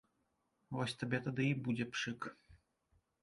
Вось табе тады і будзе пшык.